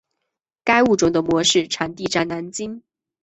该物种的模式产地在南京。